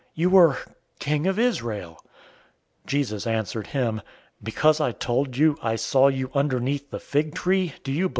You are King of Israel!" 001:050 Jesus answered him, "Because I told you, 'I saw you underneath the fig tree,' do you believe?